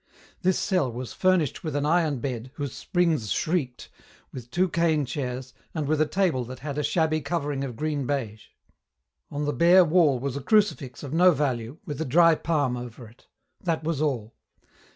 This cell was furnished with an iron bed, whose springs shrieked, with two cane chairs, and with a table that had a shabby covering of green baize. On the bare wall was a crucifix of no value, with a dry palm over it. That was all.